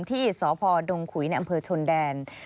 ที่สพดงขุยในอำเภอชนแดน